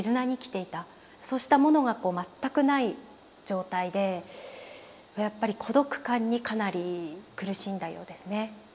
そうしたものが全くない状態でやっぱり孤独感にかなり苦しんだようですね。